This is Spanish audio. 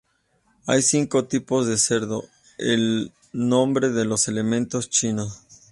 Hay cinco tipos de cerdo, el nombre de los elementos chinos.